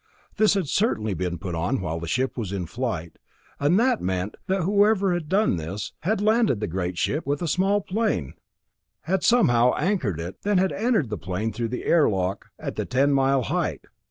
This had certainly been put on while the ship was in flight, and that meant that whoever had done this, had landed on the great ship with a small plane, had somehow anchored it, then had entered the plane through the air lock at the ten mile height.